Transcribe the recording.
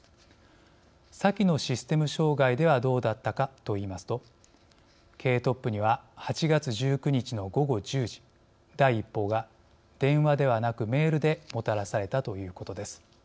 先のシステム障害ではどうだったかと言いますと経営トップには８月１９日の午後１０時第一報が電話ではなくメールでもたらされたということです。